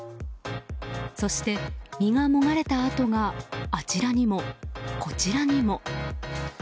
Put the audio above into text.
そして、実がもがれた跡があちらにも、こちらにも。